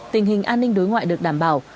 tình hình an ninh đối ngoại được đảm bảo